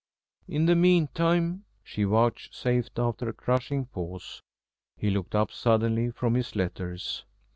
"In the meantime " she vouchsafed after a crushing pause. He looked up suddenly from his letters.